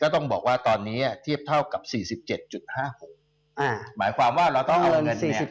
ต้องบอกว่าตอนนี้เทียบเท่ากับ๔๗๕๖หมายความว่าเราต้องเอาเงินเนี่ย